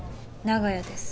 長屋です。